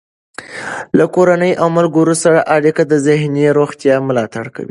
له کورنۍ او ملګرو سره اړیکه د ذهني روغتیا ملاتړ کوي.